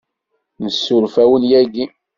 Nessuref-awen yagi.